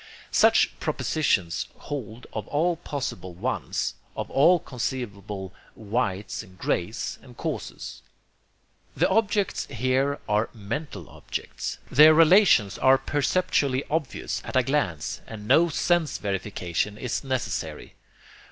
Such propositions hold of all possible 'ones,' of all conceivable 'whites' and 'grays' and 'causes.' The objects here are mental objects. Their relations are perceptually obvious at a glance, and no sense verification is necessary.